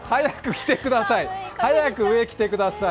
早く上、着てください。